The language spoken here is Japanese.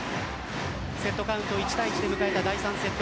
セットカウント１ー１で迎えた第３セット。